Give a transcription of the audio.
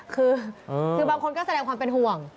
คือบางคนก็แสดงความเป็นห่วง